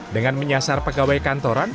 dengan menyasar pegawai kantoran